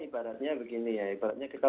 ibaratnya begini ya ibaratnya kita